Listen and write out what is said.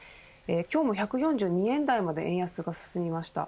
今日も１４２円台まで円安が進みました。